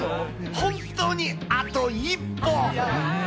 本当にあと一歩。